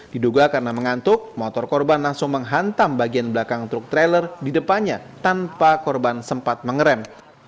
diduga karena mengantuk motor korban langsung menghantam bagian belakang truk trailer di depannya tanpa korban sempat mengerem